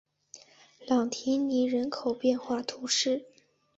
朗提尼人口变化图示